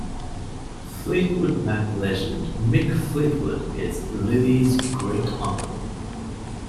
Fleetwood Mac legend Mick Fleetwood is Lily's great-uncle.